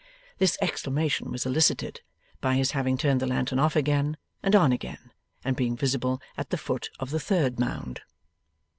This exclamation was elicited by his having turned the lantern off again, and on again, and being visible at the foot of the third mound.